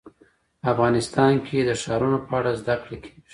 افغانستان کې د ښارونه په اړه زده کړه کېږي.